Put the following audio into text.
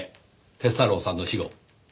鐵太郎さんの死後。